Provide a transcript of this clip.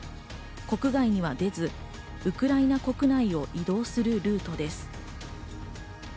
国外には出ず、ウクライナ国内を移動するルートです。